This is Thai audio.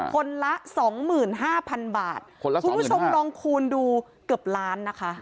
คนละสองหมื่นห้าพันบาทคนละคุณผู้ชมลองคูณดูเกือบล้านนะคะ